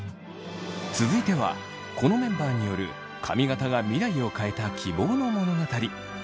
続いてはこのメンバーによる髪形が未来を変えた希望の物語。